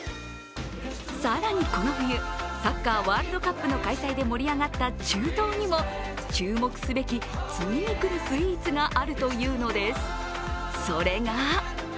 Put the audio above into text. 更にこの冬、サッカーワールドカップの開催で盛り上がった中東にも注目すべき次に来るスイーツがあるというのです。